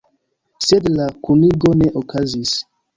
Sed la kunigo ne okazis.